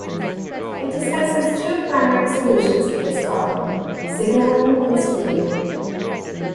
It discusses two primary solutions to this problem, signaling and screening.